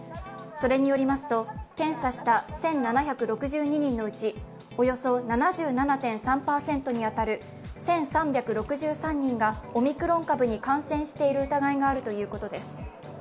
それによりますと検査した１７６２人のうち、およそ７７．３％に当たる１３６３人がオミクロン株に感染している疑いがあるということです。